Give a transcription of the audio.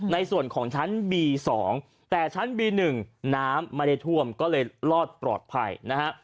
ในส่วนของชั้นบี๒แต่ชั้นบี๑น้ำไม่ได้ท่วมก็เลยรอดปลอดภัยนะฮะ